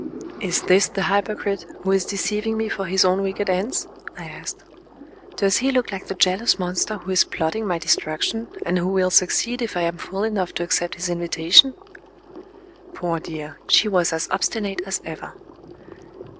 "Is this the hypocrite, who is deceiving me for his own wicked ends?" I asked. "Does he look like the jealous monster who is plotting my destruction, and who will succeed if I am fool enough to accept his invitation?" Poor dear, she was as obstinate as ever!